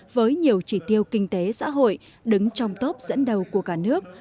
với nhiều chỉ tiêu kinh tế xã hội đứng trong tốp dẫn đầu của cả nước